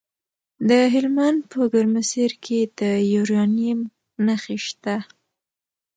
د هلمند په ګرمسیر کې د یورانیم نښې شته.